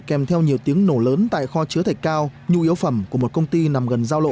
kèm theo nhiều tiếng nổ lớn tại kho chứa thạch cao nhu yếu phẩm của một công ty nằm gần giao lộ